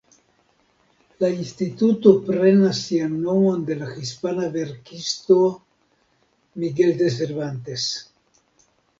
La instituto prenas sian nomon de la hispana verkisto Miguel de Cervantes.